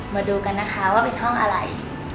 มาดูกันนะคะว่าเป็นห้องอะไร